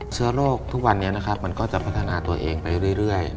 เชื้อโรคทุกวันนี้มันก็จะพัฒนาตัวเองไปเรื่อย